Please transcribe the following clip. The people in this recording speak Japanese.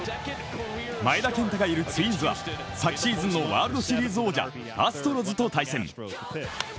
前田健太がいるツインズは、昨シーズンのワールドシリーズ王者、アストロズと対戦。